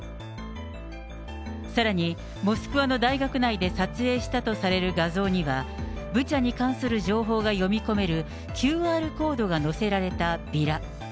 さらにモスクワの大学内で撮影したとされる画像には、ブチャに関する情報が読み込めるＱＲコードが載せられたビラ。